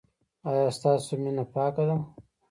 ایا ستاسو مینه پاکه ده؟